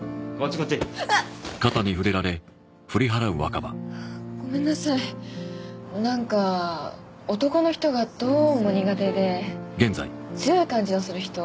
こっちあっごめんなさいなんか男の人がどうも苦手で強い感じのする人？